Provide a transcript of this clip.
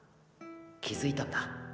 気付いたんだ。